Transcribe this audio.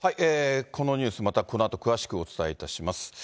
このニュース、またこのあと詳しくお伝えいたします。